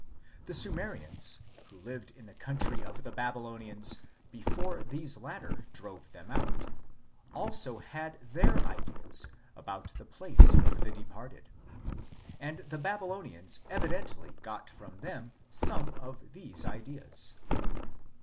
1 The Sumerians, who lived in the country of the Babylonians before these latter drove them out, also had their ideas about the place of the departed ; and the Baby lonians evidently got from them some of these ideas.